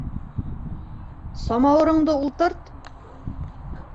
Самауырыңды ултырт!